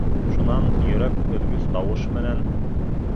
Шунан йөрәк өҙгөс тауыш менән: